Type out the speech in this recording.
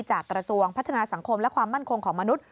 กระทรวงพัฒนาสังคมและความมั่นคงของมนุษย